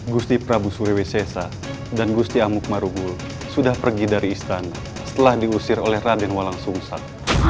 gusti prabu surawi sese dan gusti amuk marugul sudah pergi dari istana setelah diusir oleh raden walang sungsat